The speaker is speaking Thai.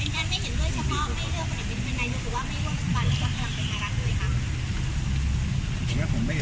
ถ้ามีผลไม่เห็นด้วยจะต้องเป็นอารักษ์ด้วยครับ